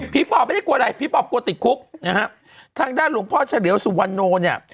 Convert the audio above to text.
ปอบไม่ได้กลัวอะไรผีปอบกลัวติดคุกนะฮะทางด้านหลวงพ่อเฉลี่ยวสุวรรณโนเนี่ย